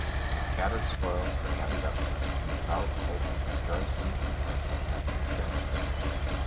The scattered spoils were gathered up, and the devout soldiers rejoiced in the success which Heaven had granted them.